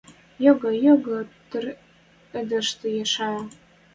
Йога, йога тыр йыдышты шая.